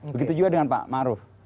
begitu juga dengan pak maruf